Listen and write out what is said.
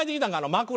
枕。